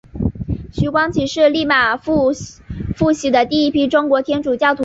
徐光启是利玛窦付洗的第一批中国天主教徒之一。